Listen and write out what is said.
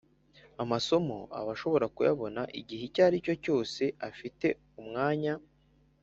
amasomo aba ashobora kuyabona igihe icyo aricyo cyose afite umwanya